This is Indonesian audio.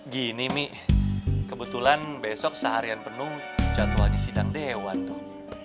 gini mi kebetulan besok seharian penuh jadwal di sidang deh hewan tuh